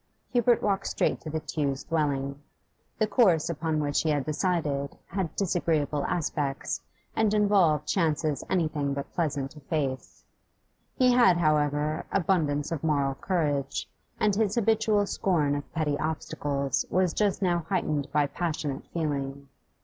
Hubert walked straight to the Tews' dwelling. The course upon which he had decided had disagreeable aspects and involved chances anything but pleasant to face; he had, however, abundance of moral courage, and his habitual scorn of petty obstacles was just now heightened by passionate feeling.